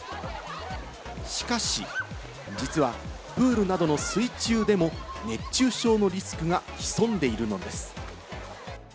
しかし、実はプールなどの水中でも熱中症のリスクが潜んでいるのです。